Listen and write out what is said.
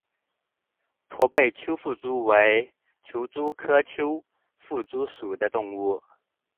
驼背丘腹蛛为球蛛科丘腹蛛属的动物。